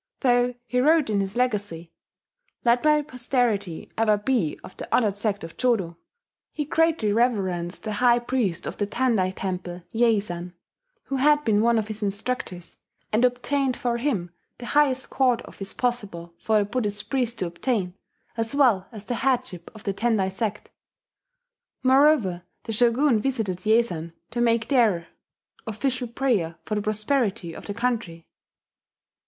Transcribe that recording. Though he wrote in his Legacy, "Let my posterity ever be of the honoured sect of Jodo," he greatly reverenced the high priest of the Tendai temple, Yeizan, who had been one of his instructors, and obtained for him the highest court office possible for a Buddhist priest to obtain, as well as the headship of the Tendai sect. Moreover the Shogun visited Yeizan to make there official prayer for the prosperity of the country.